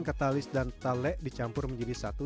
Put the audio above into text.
ketalis dan talek dicampur menjadi satu